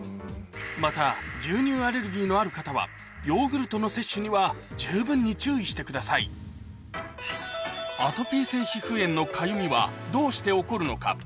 また牛乳アレルギーのある方はヨーグルトの摂取には十分に注意してくださいはどうして起こるのか？